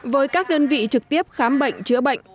với các đơn vị trực tiếp khám bệnh chữa bệnh